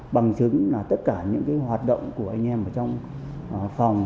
bằng chứng là tất cả những hoạt động của anh em ở trong phòng